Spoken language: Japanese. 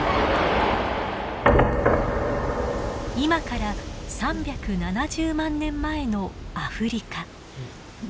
今から３７０万年前のアフリカ。